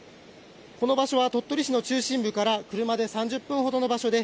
この場所は鳥取市の中心部から車で３０分ほどの場所で